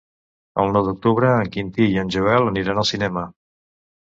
El nou d'octubre en Quintí i en Joel aniran al cinema.